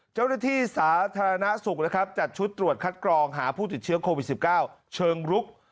เจ้าหน้าที่สาธารณสุขนะครับจัดชุดตรวจคัดกรองหาผู้ติดเชื้อโควิด๑๙เชิงรุก